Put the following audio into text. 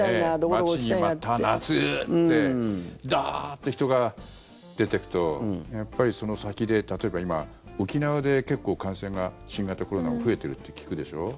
待ちに待った夏！ってダーッて人が出ていくとその先で例えば今、沖縄で結構、感染が新型コロナが増えてるって聞くでしょ。